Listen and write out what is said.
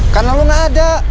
karena lo gak ada